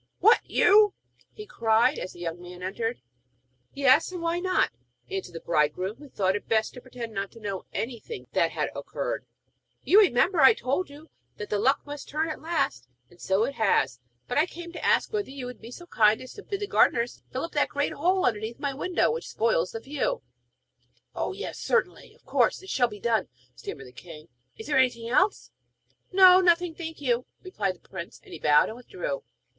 'What, you?' he cried, as the young man entered. 'Yes, I. Why not?' asked the bridegroom, who thought it best to pretend not to know anything that had occurred. 'You remember, I told you that the luck must turn at last, and so it has. But I came to ask whether you would be so kind as to bid the gardeners fill up a great hole right underneath my window, which spoils the view.' 'Oh! certainly, yes; of course it shall be done!' stammered the king. 'Is there anything else?' 'No, nothing, thank you,' replied the prince, as he bowed and withdrew.